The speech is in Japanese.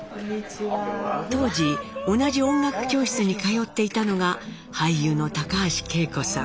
当時同じ音楽教室に通っていたのが俳優の高橋惠子さん。